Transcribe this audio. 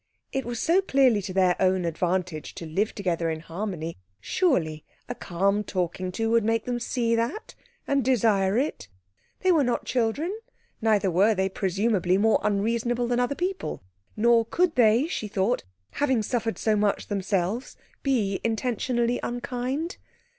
It was so clearly to their own advantage to live together in harmony; surely a calm talking to would make them see that, and desire it. They were not children, neither were they, presumably, more unreasonable than other people; nor could they, she thought, having suffered so much themselves, be intentionally unkind.